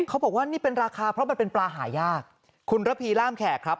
เขาบอกว่านี่เป็นราคาเพราะมันเป็นปลาหายากคุณระพีล่ามแขกครับ